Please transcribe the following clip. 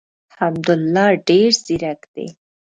حمدالله ډېر زیرک دی.